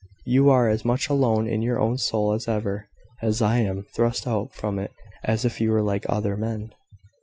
You are as much alone in your own soul as ever, and I am thrust out from it as if you were like other men...